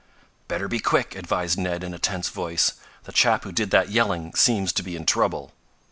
"Better be quick," advised Ned in a tense voice. "The chap who did that yelling seems to be in trouble!"